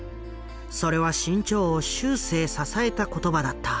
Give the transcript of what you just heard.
それは志ん朝を終生支えた言葉だった。